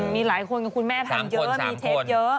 มีหลายคนกับคุณแม่ทำเยอะมีเทปเยอะ